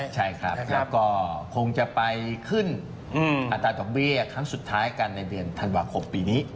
ใช่ครับแล้วก็คงจะไปขึ้นอัตราดอกเบี้ยครั้งสุดท้ายกันในเดือนธันวาคมปีนี้